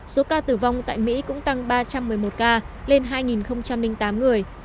số ca tử vong tại mỹ cũng tăng ba trăm một mươi một ca lên hai tám người